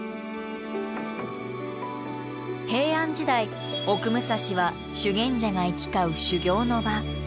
平安時代奥武蔵は修験者が行き交う修行の場。